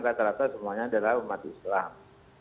rata rata semuanya adalah umat islam